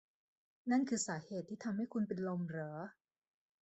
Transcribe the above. นั่นคือสาเหตุที่ทำให้คุณเป็นลมเหรอ